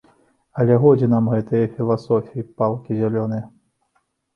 Але годзе нам гэтае філасофіі, палкі зялёныя!